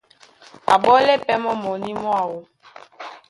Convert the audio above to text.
Á ɓole pɛ́ mɔ́ mɔní mwáō.